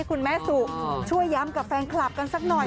คุณแม่สุช่วยย้ำกับแฟนคลับกันสักหน่อย